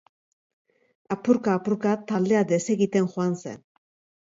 Apurka-apurka taldea desegiten joan zen.